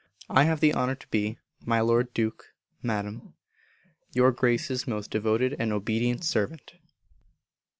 I have the honour to be, My Lord Duke (Madam), Your Grace's most devoted and obedient servant.